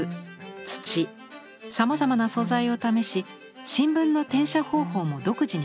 土さまざまな素材を試し新聞の転写方法も独自に開発しました。